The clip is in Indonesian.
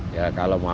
ya kalau mau